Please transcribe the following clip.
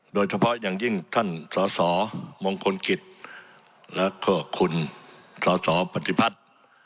โดยเฉพาะอย่างยิ่งท่านสสมงคลกิจแล้วก็คุณสสปฏิพัฒน์